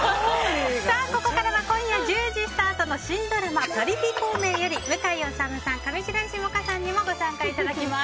ここからは今夜１０時スタートの新ドラマ「パリピ孔明」より向井理さん、上白石萌歌さんにもご参加いただきます。